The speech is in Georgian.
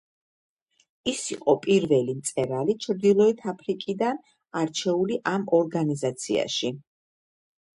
ის იყო პირველი მწერალი ჩრდილოეთ აფრიკიდან, არჩეული ამ ორგანიზაციაში.